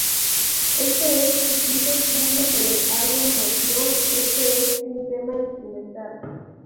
Este es su quinto single del álbum Motion, este es un tema instrumental.